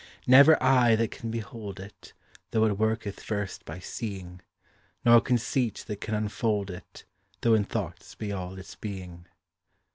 Never eye that can behold it, Though it worketh first by seeing; Nor conceit that can unfold it, Though in thoughts be all its being.